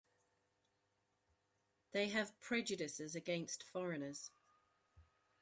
They have prejudices against foreigners.